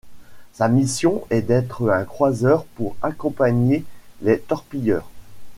Sa mission est d'être un croiseur pour accompagner les torpilleurs.